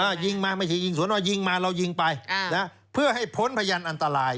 ยิงมาไม่ใช่ยิงสวนว่ายิงมาเรายิงไปอ่านะเพื่อให้พ้นพยานอันตราย